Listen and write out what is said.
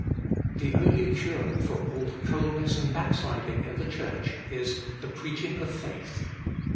1. The only cure for all the coldness and backsliding in the Church is "the preaching of faith."